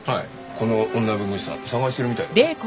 この女の弁護士さん捜してるみたいだぞ。